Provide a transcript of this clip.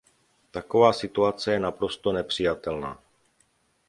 Taková situace je naprosto nepřijatelná.